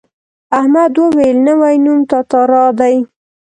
احمد وویل نوی نوم تتارا دی.